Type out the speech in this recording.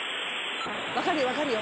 わかるよわかるよ。